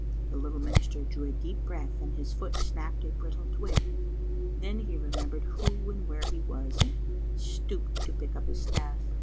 The little minister drew a deep breath, and his foot snapped a brittle twig. Then he remembered who and where he was, and stooped to pick up his staflf.